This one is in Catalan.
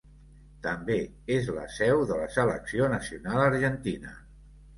També és la seu de la selecció nacional argentina.